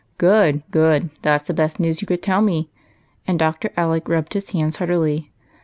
" Good, — good ! that 's the best news you could tell me ;" and Dr. Alec rubbed his hands heartily.